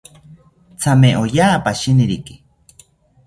Thame oya pishiniriki